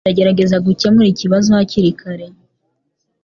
Ndagerageza gukemura ikibazo hakiri kare .